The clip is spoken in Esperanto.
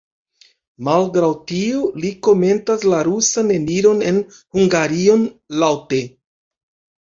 Malgraŭ tio li komentas la rusan eniron en Hungarion laŭte.